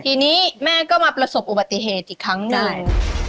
ทีนี้แม่ก็มาประสบอุบัติเหตุอีกครั้งหนึ่งใช่